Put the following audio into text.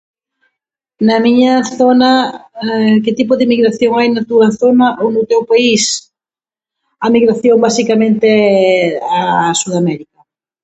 Na miña zona, que tipo de migración hai na túa zona ou no teu país? A migración, basicamente, é a Sudamérica.